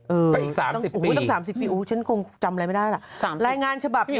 อือต้อง๓๐ปีฉันคงจำอะไรไม่ได้ล่ะรายงานฉบับนี้๓๐ปี